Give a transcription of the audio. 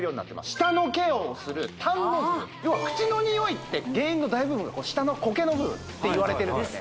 舌のケアをするタンノズル要は口の臭いって原因の大部分が舌のコケの部分って言われてます